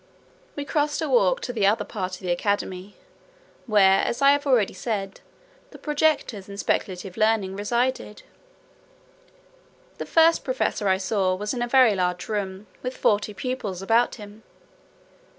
We crossed a walk to the other part of the academy, where, as I have already said, the projectors in speculative learning resided. The first professor I saw, was in a very large room, with forty pupils about him.